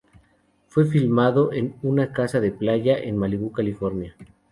Fue filmado en una casa de playa en Malibu, California.